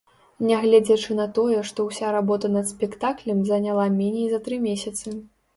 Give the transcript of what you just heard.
Нягледзячы на тое, што ўся работа над спектаклем заняла меней за тры месяцы.